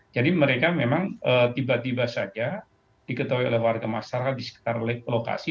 jadi mereka memang tiba tiba saja diketahui oleh warga masyarakat di sekitar lokasi